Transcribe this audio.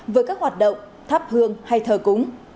với các hoạt động thắp hương hay thờ cúng